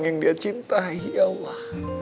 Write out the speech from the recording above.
yang dia cintai ya allah